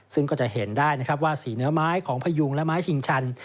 ซึ่งก็จะเห็นได้นะครับว่าสีเนื้อไม้ของพยุงและไม้ชิงชัน